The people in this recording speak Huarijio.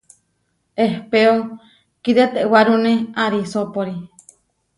Ehpéo kitetewárune arisópori.